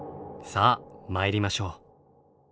さあ参りましょう。